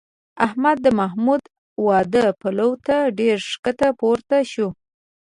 احمد د محمود د واده پلو ته ډېر ښکته پورته شو.